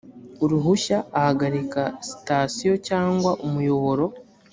uruhushya ahagarika sitasiyo cyangwa umuyoboro